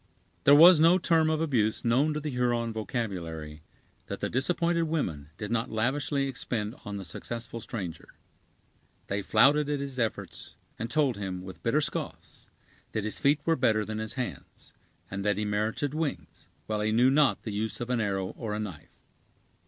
There was no term of abuse known to the Huron vocabulary that the disappointed women did not lavishly expend on the successful stranger. They flouted at his efforts, and told him, with bitter scoffs, that his feet were better than his hands; and that he merited wings, while he knew not the use of an arrow or a knife.